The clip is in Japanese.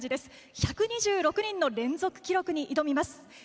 １２６人の連続記録に挑みます。